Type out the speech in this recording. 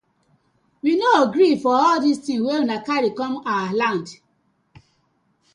We no gree for all dis tinz wey una karry com for we land.